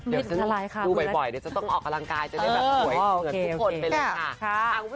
เดี๋ยวฉันดูบ่อยเดี๋ยวจะต้องออกกำลังกายจะได้แบบสวยเหมือนทุกคนไปเลยค่ะ